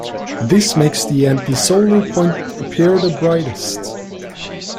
This makes the antisolar point appear the brightest.